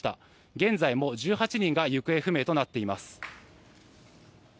現在も１８人が行方不明となっています。